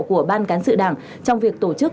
của ban cán sự đảng trong việc tổ chức